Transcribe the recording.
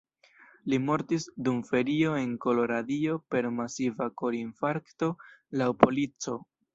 Li mortis dum ferio en Koloradio per masiva korinfarkto, laŭ polico.